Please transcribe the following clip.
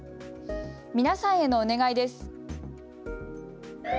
皆さんへのお願いです。